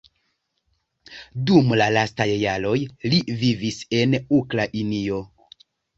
Dum la lastaj jaroj li vivis en Ukrainio.